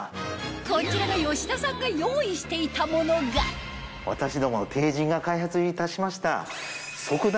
こちらの吉田さんが用意していたものが私ども帝人が開発いたしました。